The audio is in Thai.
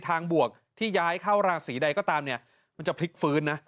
บวกที่ย้ายเข้าราศีใดก็ตามเนี่ยมันจะพลิกฟื้นนะ